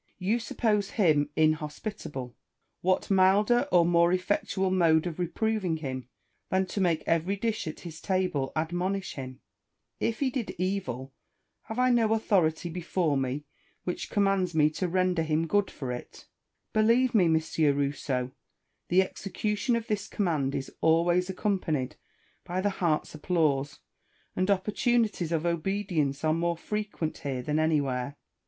You suppose him inhospitable : what milder or more effectual mode of reproving him, than to make every dish at his table ad monish him ? If he did evil, have' I no authority before me which commands me to render him good for iti Believe me, M. Rousseau, the execution of this command is always accompanied by the heart's applause, and opportunities of obedience are more frequent here than anywhere.